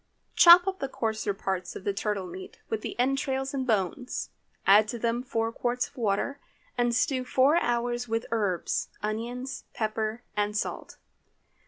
Chop up the coarser parts of the turtle meat, with the entrails and bones. Add to them four quarts of water, and stew four hours with the herbs, onions, pepper, and salt.